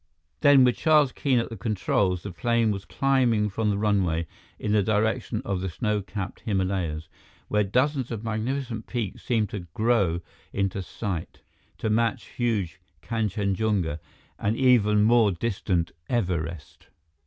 Then, with Charles Keene at the controls, the plane was climbing from the runway in the direction of the snow capped Himalayas, where dozens of magnificent peaks seemed to grow into sight, to match huge Kanchenjunga and even more distant Everest.